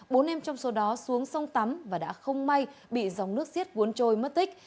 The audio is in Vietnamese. bốn em trong số đó xuống sông tắm và đã không may bị dòng nước xiết cuốn trôi mất tích